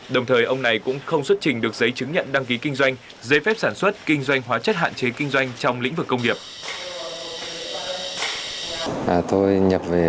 đồng thời ông này cũng không xuất trình được giấy chứng nhận đăng ký kinh doanh giấy phép sản xuất kinh doanh hóa chất hạn chế kinh doanh trong lĩnh vực công nghiệp